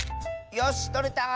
よしとれた！